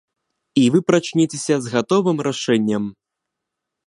І вы прачнецеся з гатовым рашэннем.